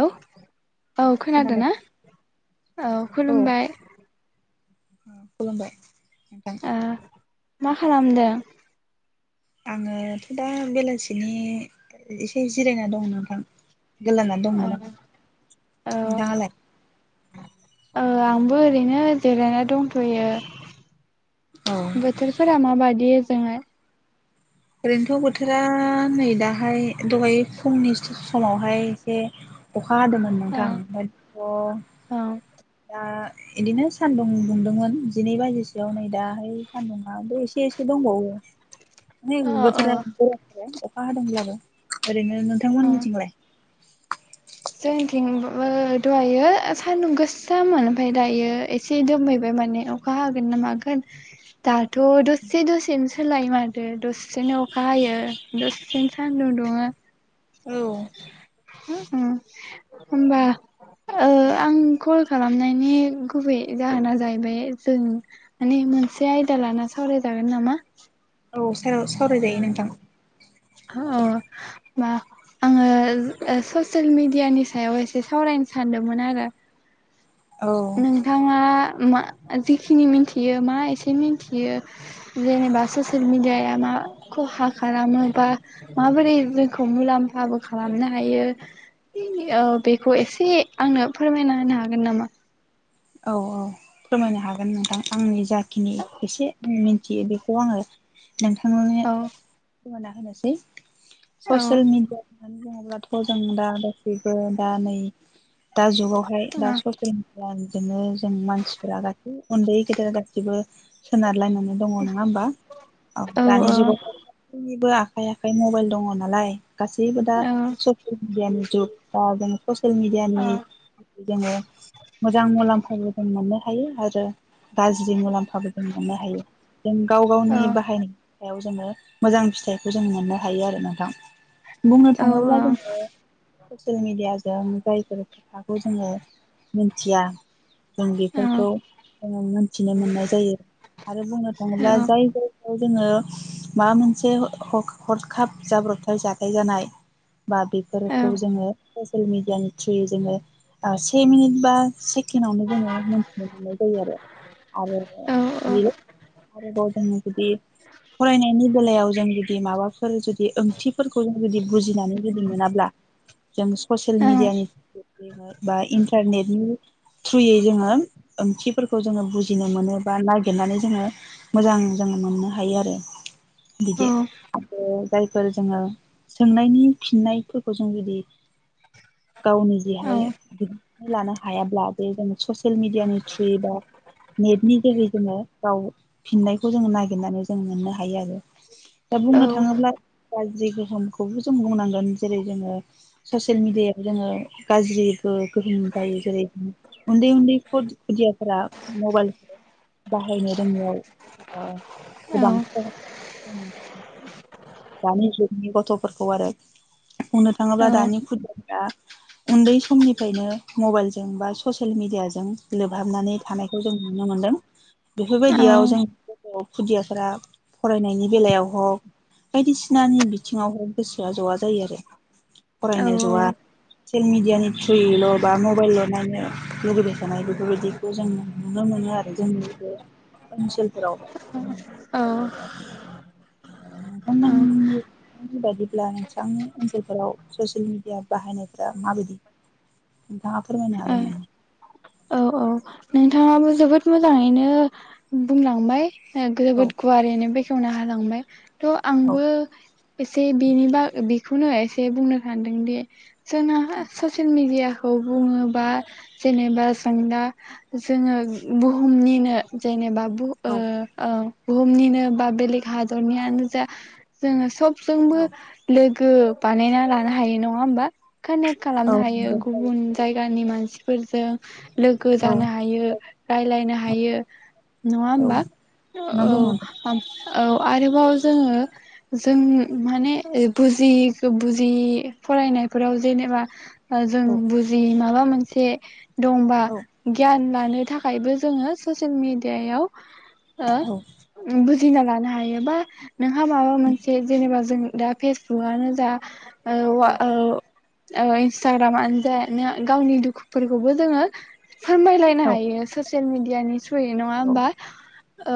हेल औ खोनादों ना औ खुलुमबाय। खुलुमबाय नोंथां ओ मा खालामदों आङोथ दा बेलासिनि एसे जिरायना दं नोंथां। गोलांना ओ दंमोन आं औ नोंथाङालाय। ओ आंबो ओरैनो जिरायना दंथयो औ बोथोरफोरा माबादि ओजोंहाय ओरैनोथ बोथोरा नै दाहाय दहाय फुंनि समावहाय एसे अ। अखा हादोंमोन औ नोंथां ओमफाय अ। औ इदिनो सानदुं दुंदोंमोन जिनै बाज। सोआव नै दाहाय सानदुंङाबो एसे। एसे एसे दंबावो। अ न अ बसोर [inaudible] अखा हादोंब्लाबो ओरैनो नोंथांमोननिथिंलाय। जोंनिथिंबो दहायो सान्दुं गोसामोन ओमफाय दायो एसे दोमैबाय माने अखा हागोन ना मागोन दाथ दसे दसेनो सोलाय माथो दसेनो अखा हायो दसेनो सान्दुं दुङो। औ होमबा ओ-आं कल खालामनायनि गुबै जाहोना जाहैबाय जों माने मोनसे आयदा लाना सावरायजागोन नामा। औ औ सावरायजायो नोंथां। ह-ओ आङो ससियेल मिेडियानि सायाव एसे सावरायनो सानदोमोन आरो। औ नोंथाङा। मा जिखिनि मिथियो मा एसे मिथियो जेनेबा ससियेल मिेडियाया मा खहा खालामो? बा माबोरै जोंखौ मुलाम्फाबो खालामनो हायो? औ बेखौ एसे आंनो फोरमायना होनो हागोन नामा? औ औ फोरमायनो हागोन नोंथां। आंनि जाखिनि एसे मिथियो बेखौ आङो नोंथां। औ फोरमायना होनोसै। ससेल मिडिया होननानै। बुङोब्लाथ जों दा गासैबो दा नै दा जुगाव। औ आमफा दा [unintelligible] बिदिनो जों मानसिफोरा गासै उन्दै गेदेर गासैबो सोनारलायनान दङ' नोङा होमबा औ दानि जुगाव गासैनिबो आखाइ आखाइ मबाइल दङ' नालाय गासैबो दा ससियेल मिडियानि जुग दा जों ससियेल मिडियानि जोङो [unintelligible] मुलाम्फाबो जों मोननो हायो आरो गाज्रि मुलाम्फाबो जों मोननो हायो जों गाव गावनि औ बाहायनाय। सायाव जोङो मोजां फिथाइखौ जों मोननो हायो आरो नोंथां। बुंनो थाङोब्ला जोङो ससियेल मिडियाजों जायफोर खोथाखौ जोङो मिन थिया जों बेफोरखौ जोङो मोनथिनो मोननाय जायो आरो बुंनो थाङोब्ला जाय जायगायाव जोङो माबा मोनसे हर-हरखाब जाब्रबथाय जाथाय जानाय। बा बेफोरखौ जोङो [unintelligible] ससियेल मिडियानि थ्रुयै जोङो ओ- से मिनिट बा सेकेनावनो जोङो मोनथिनो मोननाय जायो आरो। आरो बेयो आरोबाव जोङो जुदि फरायनायनि बेलायाव जों जुदि माबा फोर जुदि ओंथिफोरखौ जों जुदि बुजिनानै जुदि मोनाब्ला। जों ससियेल मिडियानि थ्रु। बा इन्टारनेटनि थ्रुयै जोङो ओंथिफोरखौ जोङो बुजिनो मोनो बा नागिरनानै जोङो मोजां जोङो मोननो हायो आरो बिदि आरो जायफोर जोङो सोंनायनि फिननायफोरखौ जों जुदि गावनि जेहाय दिनानै लानो हायाब ब्ला बेे जोङो ससियेल मिडियानि थ्रुयै बा नेटनि जोहै जोङो गाव फिननायखौ जोङो नागिरनानै जों मोननो हायो आरो दा बुंनो थाङोब्ला गाज्रि गोहोमखौबो जों बुंनांगोन जेरै जोङो ससियेल मिडियायाव जोङो गाज्रिबो गोहोम जायो जेरै - उन्दै उन्दै खुदियाफोरा मबाइलखौ बाहायनो रोङियावृ ओ- गोबां खहा दानि जुगनि गथ'फोरखौ आरो बुंनो थाङोबा दानि खुद फ्रा उन्दै समनिफ्रायनो मबाइल जों बा ससियेल मिडियाजों लोबहाबनानै थानायखौ जों नुनो मोनदों। बेफोरबायदियाव जोंनि [unintelligible] खुदियाफोरा फरायनायनि बेलायाव हग बायदिसिनानि बिथिङाव हग। गोसोआ ज'आ जायो आरो फरायनो ज'आ। सैल मिडया नि थ्रुयैल' बा मबाइल। नानो लुुबैबाय थानाय बेफोरबायदिखौ जों नुनो मोनो आरो जोंनि बे ओनसोलफोरावबो। औ। नोंथांमोननि बायदिब्ला नोंथांनि ओनसोलफोराव ससियेल मिडिया बाहायनायफ्रा माबायदि नोंथाङा फोरमायनो औ हागोन नामा? औ औ नोंथाङाबो जोबोद मोजाङैनो बुंलांबाय। ओ- औ जोबोद गुवारैनो बेख खेवना हालांबाय। थ' औ आंबो। एसे बिनि बाग बिखौनो एसे बुंनो सानदोंदि जोंना ससियेल मेडियाखौ बुङोबा जेनेबा जों दा। जोङो बुहुमनिनो जेनेबाब बु ओ औ ओं। बुहुमनिनो बा बेलेग हादरनियानो जा जोङो सब जोंबो औ लोग गो बानायना लानो हायो नङा होमबा। कानेक्ट खालामनो हायो गुबुन जायगानि मानसिफोरजों लोगो जानो हा हायो रायलायनो हायो नङा होमबा? नंगौ औ औ आरोबाव जोंङो जों माने बुजियिखो बुजियि फरायनायफोराव जेनेबा जों औ बुजियि माबा मोनसे। दंबा औ लानो थाखायबो जोङो ससियेल मिडियायाव‌ नंगौ नोंथां औ ओ बु जिना लानो हायो बा नोंहा माबा मोनसे जेनेबा जों दा फेसबुकआनो जा औ आ औ। ओ इन्स्टाग्रामनो जा नो गावनि दुखुफोरखौबो जोङो फोरमायलायनो औ हायो ससियेल मि यानि थ्रयै नङा औ होमबा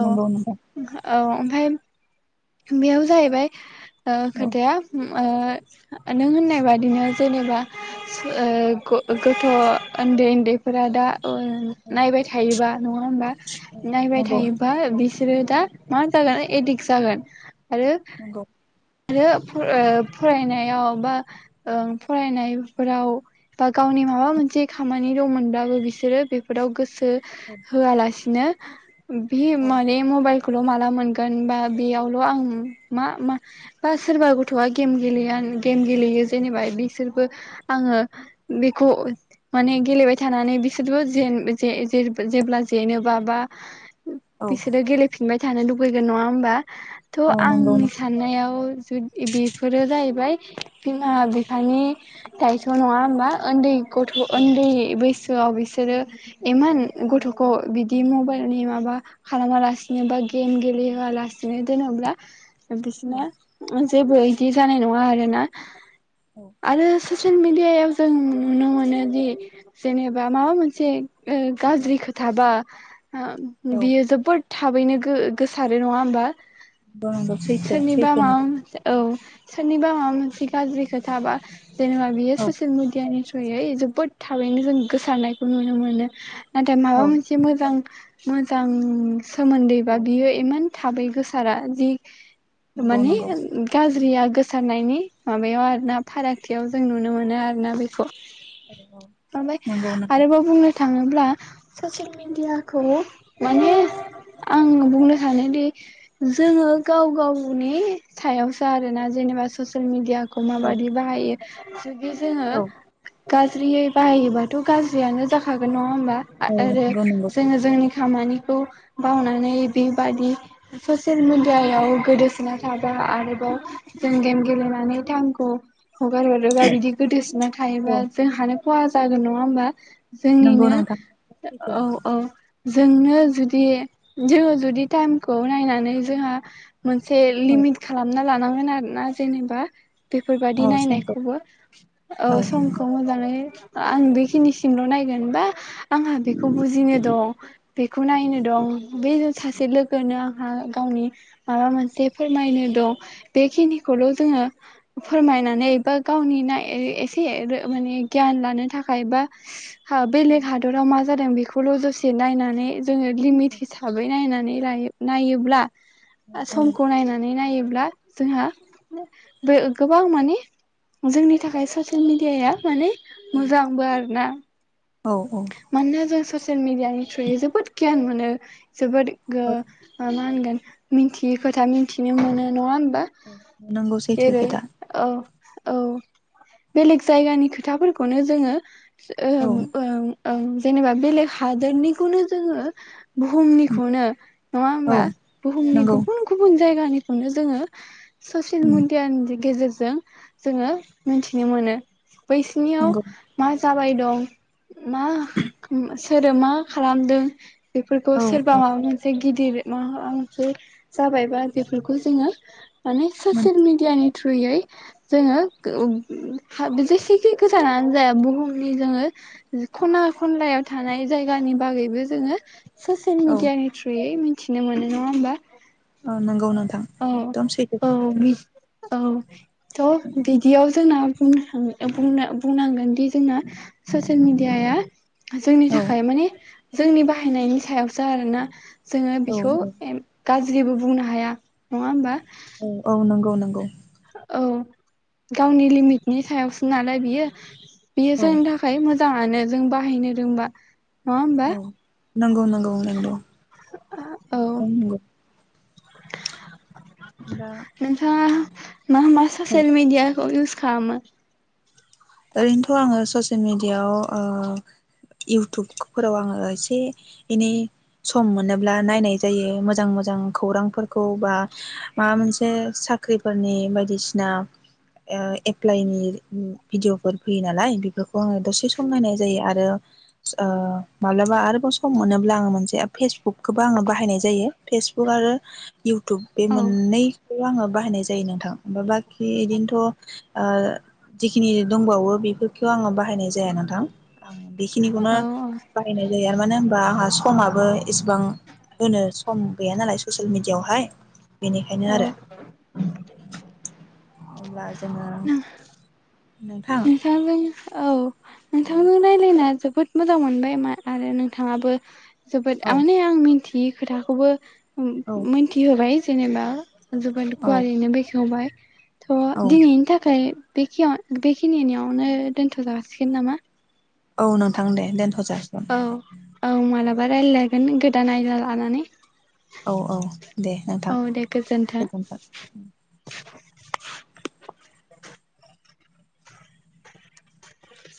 ओ ओ नंगौ नोंथां हो औ। फाय बेयाव जाहैबाय ओ औ खोथाया हो ओ नों होननाय बादिनो जेनेबा सो ग-गथ' उन्दै उन्दैफोरा दा ओ नायबाय थायोबा नङा हबा नायबाय नंगौ थायोबा बि सोरो दा मा जागोन एडिक जागोन। आरो नंगौ आरो ओ फरायनायाव बा ओ फरायनायफोराव बा गावनि माबा मोनसे खामानि दंमोनब्लाबो बिसोरो बेफोराव गोसो होआलासिनो [inaudible] बि औ माने मबाइल खौल' माला मोनगोन बा बेयाव आं मा मा बा सोरबा गथ'आ गेम गेले गेम गेलेयो जेनेबा बिसोरबो आंङो बेखौ माने गेलेबाय थानानै बिसोरबो जे जे जेब्ला जेनोबा बा नंगौ बिसोरो गेलेफिनबाय थानो लुुबैगोन नङा होमबा थ' नंगौ आंनि साननायाव जुदि बेफोरो जाहैबाय बिमा बिफानि दायथ' नंङा होमबा उन्दै गथ' नोंथां औ उन्दै बैसो सोआव बिसोरो एमान गथ'खौ बिदि मबाइलनि माबा खालामा लासिनो बा गेम गेले होआलासिनो जेन'ब्ला बिसिना औ मो जेबो इदि जानाय नंङा आरोना औ आरो ससेल मेडि यायाव जों नुनो मोनोदि जेनेबा माबा मोनसे ओ गाज्रि खोथाबा ओ नंगौ बेयो जोबोद थाबैनो गो गोसारो नंङा होमबा नंगौ सैथो सोरनिबा सैथो माबा मोनसे औ सोरनिबा माबा मोनसे गाज्रि खोथा बा जेनबा बियो नंगौ ससेल मेडियानि जो यै जोबोद थाबैनो जों गोसारनायखौ नुनो मोनो। नाथाय माबा औ मोनसे मोजां मोजां सोमोन्दै बा औ बियो इमान थाबै गो सारा जि नंगौ माने नंगौ गाज्रिआ गोसारनायनि माबायाव आरो ना फारागथियाव जों नुनो मोनो आरो ना बेखौ औ औ ओमफ्राय नंगौ नोंथां आरोबाव बुंनो थाङोब्ला ससियेल मिडियाखौ माने आं बुंनो सानोदि जोंङो गाव गावनि सायाव सो आरोना जेनेबा ससियेल मिडिया खौ औ माबायदि बाहायो [unintelligible] जुदि जोङो औ गाज्रियै बाहायोबाथ' गाज्रियानो जाखागोन नङा होमबा? आ आरो नंगौ नंगौ जोङो सैथो जोंनि खामानि खौ बावनानै बेबादि ससियेल मिडियायाव गोदोसोना थाबा आरोबाव जों गेम गेलेनानै थायेमखौ हगार हरोबा बिदि गोदोसोनना औ थायोबा जोंहानो खहा जागोन नङा होमबा? नंगौ जोंनिनो नोंथां सैथो औ औ। जोंनो जुदि जोङो जुदि टाइम खौ नायनानै जोंहा मोनसे औ लिमिट खालामना लानांगोन आरो ना जेनेबा बेफोरबादि औ समखौ नायनायखौबो औ समखौ मोजाङै आं बेखिनिसिमल' नायगोन। बा आंहा बेखौ बुजिनो दं बेखौ नायनो दं बे सासे लो गोनो आंहा गावनि माबा मोनसे फोरमायनो दं बेखिनिखौल' जोङो फोरमायनानै बा गावनिना ए एसे एरो माने गियान लानो थाखाय बा हा बेलेग औ हाादराव मा जादों बेखौल' दसे नायनानै जोङो लिमिट हिसाबै नायनानै बिरायो नायोब्ला आ समखौ नायनानै नायो ब्ला जोंहा बो गोबां माने जोंनि थाखाय ससियेल मेडियाया माने मोजांबो आरो ना औ औ मानोना जों ससे ल मिडया नि थ्रुय जोबोद‌ गियान मोन नो जोबोद गो मा होनगोन मिथियै खोथा मिथिनो मोनो नङा हो मबा नंगौ सैथो जेरै खोथा औ औ बेलेग जायगानि खोथाफोरखौनो जोङो औ ओं ओं ओं जेनेबा बेलेग हादोरनिखौनो जोङो बुहुमनिखौनो नङा औ होनबा बुहुमनि नंगौ गुबुन गुबुन जायगानिखौनो जोङो स'सेल उम मिडिया नि गेजेर जों जोङो मिथिनो मोनो बैसिनियाव नंगौ मा जाबाय दं मा सोरो मा खालामदों बेफोरखौ औ सोरबा औ माबा मोनसे गिदिर माबामोनसे जाबायबा बेफोरखौ जोङो अनेक ससेल मोनथि मिडिया नि थ्रुयै जोङो जेसेखि गोजानानै जाया बुहुमनि जोङो खना खनलायाव थानाय जायगानि बागैबो जोङो ससियेल औ मिडिया नि थ्रुयै मिथिनो मोनो नङा होमबा औ नंगौ नोंथां औ एकदम सैथो औ खोथा बि औ थ' बिदियाव जोंना बुंनांगोन दि जोंना सेल मिडिया जोंनि औ थाखाय माने जोंनि बाहायनायनि सायावसो आरोना जोङो औ बेखौ गाज्रिबो बुंनो हाया नङा हबा औ औ नंगौ नंगौ औ गावनि लिमिटनि सायावसो नालाय बियो बेयो औ जोंनि थाखाय मोजां जाङानो जों बाहायनो रोंबा नङा होमबा औ नंगौ नंगौ नंगौ औ नंगौ दा नोंथाङा मा मा औ ससियेल मिडियाखौ इउस खामो ओरैनोथ' आङो ससियेल मेडियायाव ओ इउटुकफोराव आङो एसे एनै सम मोनोब्ला नायनाय जायो मोजां मोजां खौरांफोरखौ बा माबा मोनसे साख्रिफोरनि बायदिसिना ओ एप्लाइनि भिदिअफोर फैयो नालाय बेफोरखौ आङो दसे सम नायनाय जायो आरो ओ मालाबा आरोबाव सम मोनोब्ला आङो मोनसे फेसबुकखौबो आङो बाहायनाय जायो फेसबुक आरो इउटुब बे औ मोननै खौ आङो बाहायनाय जायो नोंथां बाखि बिदिनोथ' ओ दिख खिनि दंबावो बेफोरखौ आङो बाहायनाय जाया नोंथां। आं बेखिनिखौनो औ औ बाहायनाय जायो आरो मानो होनबा आंहा स समाबो इसेबां होनोस सम गैया नालाय ससियेल मिडियायावहाय बेनिखायनो आरो। औ अब्ला जोङो नोंथां जों औ। नोंथां जों रायलायना जोब बोद मोजां मोनबाय मा आरो नोंथाङाबो जोबोद औ माने आं मिथियो खोथाखौबो उम औ मोथिहोबाय। जेनेबा जोबोद औ गुवारैनो बेखेवबाय। औ थ' दिनैनि थाखाय बे खेआव बेख खिनिनियावनो दोन्थ'जागासिगोन नामा? औ नोंथां दे दोनथ' जाासिगोन। बा रायलायगोन गोदान आयदा लानानै। औ औ। दे नोंथां औ दे गोजोन्थों।